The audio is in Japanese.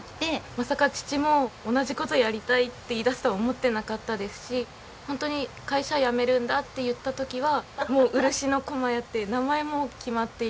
まさか父も同じ事やりたいって言い出すと思ってなかったですしホントに会社辞めるんだって言った時はもう「うるしの駒や」って名前も決まっていて。